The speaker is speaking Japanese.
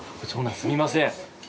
すみません。